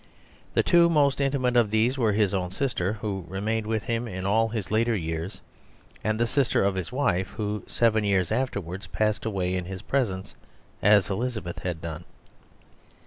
The two most intimate of these were his own sister, who remained with him in all his later years, and the sister of his wife, who seven years afterwards passed away in his presence as Elizabeth had done.